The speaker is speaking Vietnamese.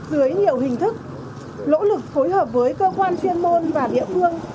dưới nhiều hình thức nỗ lực phối hợp với cơ quan chuyên môn và địa phương